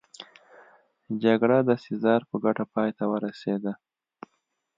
جګړه د سزار په ګټه پای ته ورسېده